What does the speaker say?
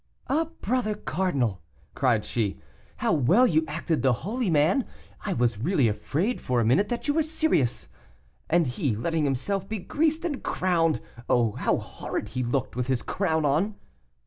"Ah, brother cardinal," cried she, "how well you acted the holy man! I was really afraid for a minute that you were serious; and he letting himself be greased and crowned. Oh, how horrid he looked with his crown on!"